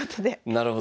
なるほど。